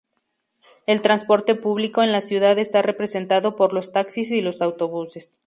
El transporte público en la ciudad está representado por los taxis y los autobuses.